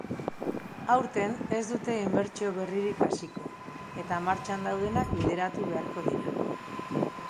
Aurten ez dute inbertsio berririk hasiko eta martxan daudenak bideratu beharko dira.